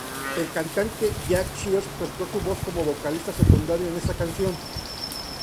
El cantante Jake Shears prestó su voz como vocalista secundario en esta canción.